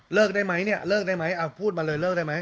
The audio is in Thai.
ได้ไหมเนี่ยเลิกได้ไหมเอาพูดมาเลยเลิกได้ไหม